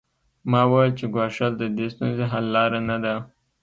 ما وویل چې ګواښل د دې ستونزې حل لاره نه ده